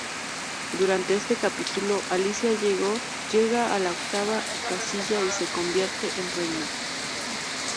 Durante este capítulo, Alicia llega a la octava casilla y se convierte en Reina.